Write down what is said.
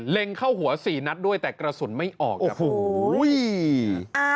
เร็งเข้าหัว๔นัทด้วยแต่กระสุนไม่ออกครับ